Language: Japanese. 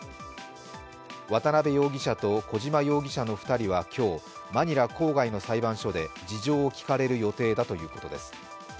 渡辺容疑者と小島容疑者の２人は今日、マニラ郊外の裁判所で事情を聴かれる予定だということです。